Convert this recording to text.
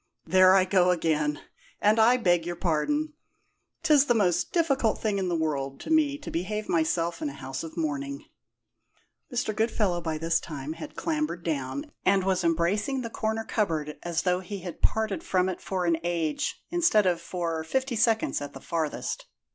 "There I go again, and I beg your pardon! 'Tis the most difficult thing in the world to me to behave myself in a house of mourning." Mr. Goodfellow by this time had clambered down, and was embracing the corner cupboard as though he had parted from it for an age, instead of for fifty seconds at the farthest.